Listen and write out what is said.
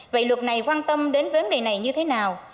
vậy luật này quan tâm đến vấn đề này như thế nào